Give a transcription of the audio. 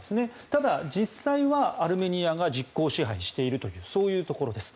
ただ、実際はアルメニアが実効支配しているというそういうところです。